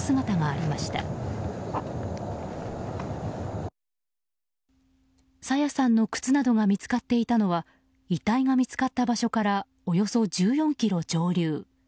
朝芽さんの靴などが見つかっていたのは遺体が見つかった場所からおよそ１４ｋｍ上流。